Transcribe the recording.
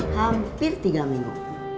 hampir tiga minggu